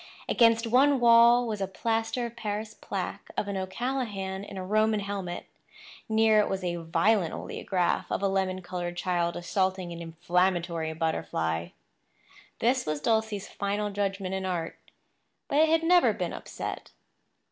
Against one wall was a plaster of Paris plaque of an O'Callahan in a Roman helmet. Near it was a violent oleograph of a lemon coloured child assaulting an inflammatory butterfly. This was Dulcie's final judgment in art; but it had never been upset.